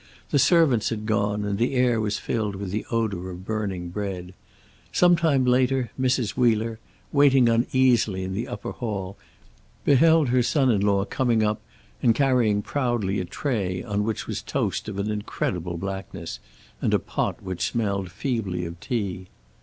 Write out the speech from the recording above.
The servants had gone, and the air was filled with the odor of burning bread. Some time later Mrs. Wheeler, waiting uneasily in the upper hall, beheld her son in law coming up and carrying proudly a tray on which was toast of an incredible blackness, and a pot which smelled feebly of tea.